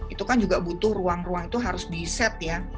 itu kan juga butuh ruang ruang itu harus di set ya